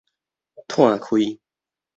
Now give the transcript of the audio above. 湠開